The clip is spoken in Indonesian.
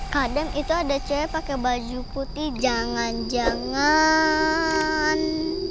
kadang itu ada cewek pakai baju putih jangan jangan